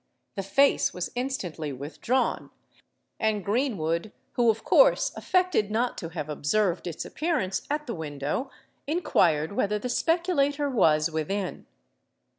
The face was instantly withdrawn; and Greenwood, who of course affected not to have observed its appearance at the window, inquired whether the speculator was within.